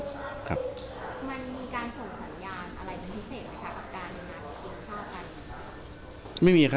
มันมีการส่งสัญญาณอะไรเป็นพิเศษไหมครับ